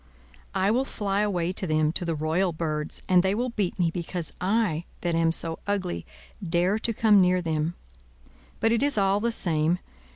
"I will fly away to them, to the royal birds! and they will beat me, because I, that am so ugly, dare to come near them. But it is all the same.